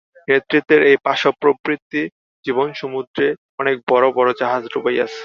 নেতৃত্বের এই পাশব প্রবৃত্তি জীবনসমুদ্রে অনেক বড় বড় জাহাজ ডুবাইয়াছে।